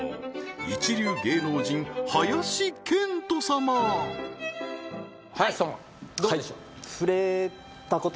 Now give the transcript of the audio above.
一流芸能人林遣都様林様どうでしょう？